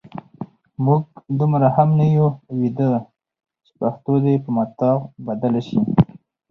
موږ دومره هم نه یو ویده چې پښتو دې په متاع بدله شي.